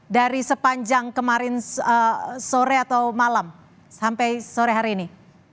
dari sepanjang kemarin sore atau malam sampai sore hari ini